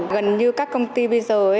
gần như các công ty bây giờ